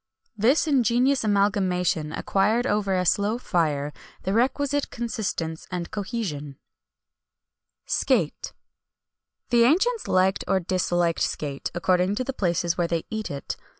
This ingenious amalgamation acquired over a slow fire the requisite consistence and cohesion.[XXI 163] SCATE. The ancients liked or disliked scate, according to the places where they eat it.